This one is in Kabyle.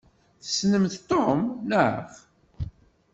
Tessnemt Tom, naɣ?